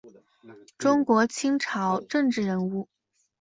中国清朝政治人物。